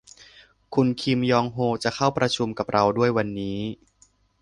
คุณคิมยองโฮจะเข้าประชุมกับเราด้วยวันนี้